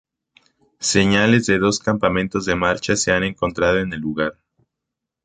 Señales de dos campamentos de marcha se han encontrado en el lugar.